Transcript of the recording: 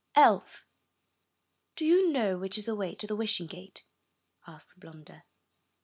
''Elf, do you know which is the way to the Wishing Gate?'' asked Blunder.